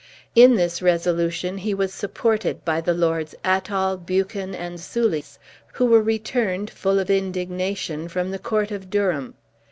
In this resolution he was supported by the Lords Athol, Buchan, and Soulis, who were returned, full of indignation from the Court of Durham.